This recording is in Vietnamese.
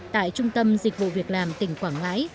tại trung tâm dịch vụ việc làm tỉnh quảng ngãi